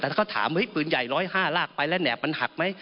แต่ถ้าเขาถามเฮ้ยปืนใหญ่๑๐๕ลากไปแล้วแหบมันหักไหม